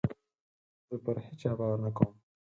زه پر هېچا باور نه کوم.